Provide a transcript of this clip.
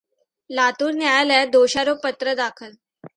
लातूर न्यायालयात दोषारोपपत्र दाखल.